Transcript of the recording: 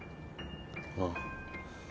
ああ。